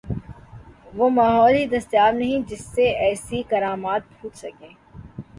وہ ماحول ہی دستیاب نہیں جس سے ایسی کرامات پھوٹ سکیں۔